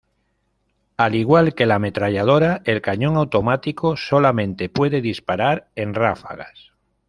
Al igual que la ametralladora, el cañón automático solamente puede disparar en ráfagas.